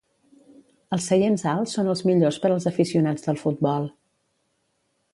Els seients alts són els millors per als aficionats del futbol.